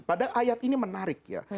padahal ayat ini menarik ya